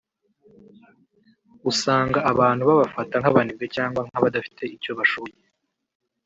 usanga abantu babafata nk’abanebwe cyangwa nk’abadafite icyo bashoboye